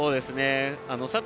佐藤